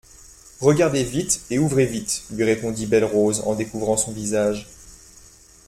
Regardez vite et ouvrez vite, lui répondit Belle-Rose en découvrant son visage.